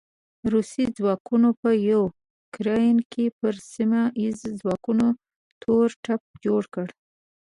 روسي ځواکونو په يوکراين کې پر سیمه ايزو ځواکونو تور تيپ جوړ کړ.